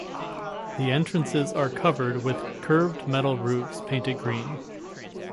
The entrances are covered with curved metal roofs painted green.